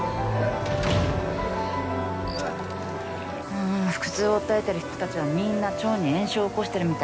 うーん腹痛を訴えてる人たちはみんな腸に炎症を起こしてるみたい。